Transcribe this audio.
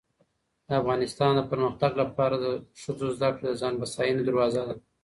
. د افغانستان د پرمختګ لپاره د ښځو زدهکړه د ځان بسیاینې دروازه ده